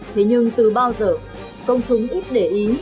thế nhưng từ bao giờ công chúng ít để ý